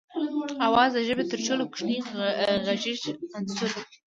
آواز د ژبې تر ټولو کوچنی غږیز عنصر دی